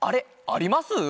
ありますか？